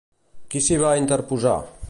Qui s'hi va interposar?